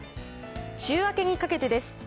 週明けにかけてです。